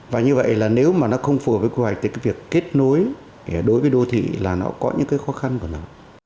và như vậy là nếu mà nó không phù hợp với quy hoạch thì cái việc kết nối đối với đô thị là nó có những cái khó khăn của nó